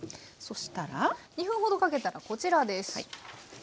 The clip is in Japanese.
そしたら２分ほどかけたらこちらです。